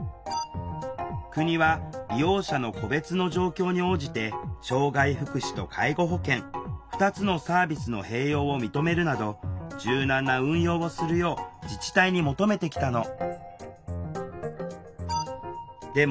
国は利用者の個別の状況に応じて障害福祉と介護保険２つのサービスの併用を認めるなど柔軟な運用をするよう自治体に求めてきたの。